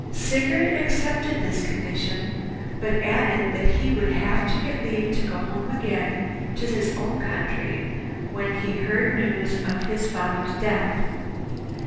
Sigurd accepted this condition, but added that he would have to get leave to go home again to his own country when he heard news of his father's death.